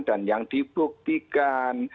dan yang dibuktikan